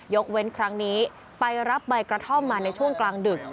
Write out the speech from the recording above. เว้นครั้งนี้ไปรับใบกระท่อมมาในช่วงกลางดึก